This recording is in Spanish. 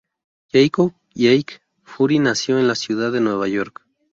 Jacob "Jake" Fury nació en la ciudad de Nueva York.